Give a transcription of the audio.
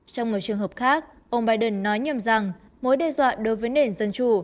trong một trường hợp khác ông biden nói nhầm rằng mối đe dọa đối với nền dân chủ